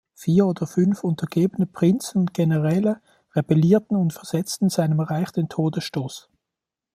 Vier oder fünf untergebene Prinzen und Generäle rebellierten und versetzten seinem Reich den Todesstoß.